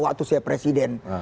waktu saya presiden